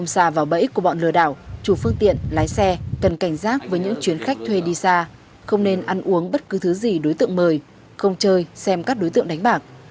khi vào bẫy của bọn lừa đảo chủ phương tiện lái xe cần cảnh giác với những chuyến khách thuê đi xa không nên ăn uống bất cứ thứ gì đối tượng mời không chơi xem các đối tượng đánh bạc